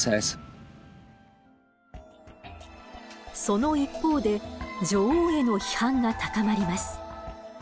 その一方で女王への批判が高まります。